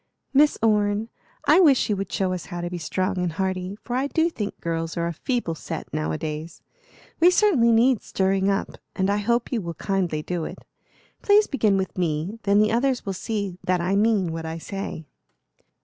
"Miss Orne, I wish you would show us how to be strong and hearty, for I do think girls are a feeble set now a days. We certainly need stirring up, and I hope you will kindly do it. Please begin with me, then the others will see that I mean what I say."